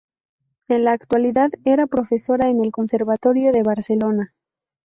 En la actualidad era profesora en el Conservatorio de Barcelona.